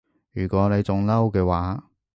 如果你仲嬲嘅話